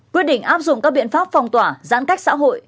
quyết định áp dụng các biện pháp phong tỏa giãn cách xã hội